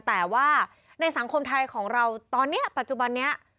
แต่ว่าในสังคมไทยของเราตอนนี้ปัจจุบันนี้